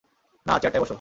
না, চেয়ারটায় বসো।